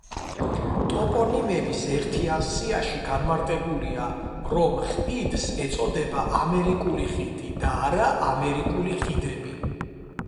ტოპონიმების ერთიან სიაში განმარტებულია, რომ ხიდს ეწოდება ამერიკული ხიდი და არა ამერიკული ხიდები.